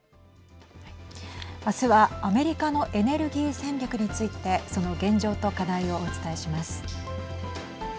あすはアメリカのエネルギー戦略についてその現状と課題をお伝えします。